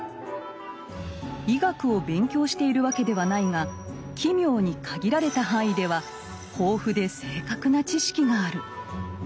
医学を勉強しているわけではないが奇妙に限られた範囲では豊富で正確な知識がある。